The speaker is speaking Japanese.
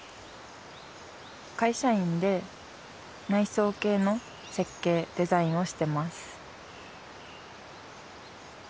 会社員で内装系の設計・デザインをしてます。